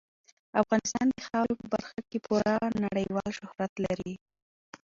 افغانستان د خاورې په برخه کې پوره نړیوال شهرت لري.